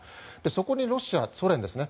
そこにロシア、ソ連ですね